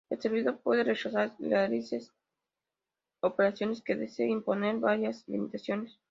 El servidor puede rechazar realizar operaciones que desee, e imponer varias limitaciones.